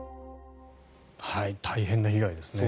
大変な被害ですね。